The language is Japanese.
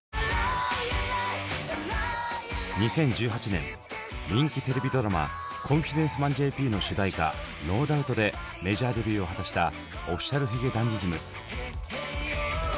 ２０１８年人気テレビドラマ「コンフィデンスマンＪＰ」の主題歌「ノーダウト」でメジャーデビューを果たしたＯｆｆｉｃｉａｌ髭男ｄｉｓｍ。